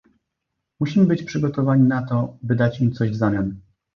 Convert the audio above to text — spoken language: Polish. Musimy być przygotowani na to, by dać im coś w zamian